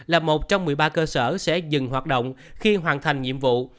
là một trong một mươi ba cơ sở sẽ dừng hoạt động khi hoàn thành nhiệm vụ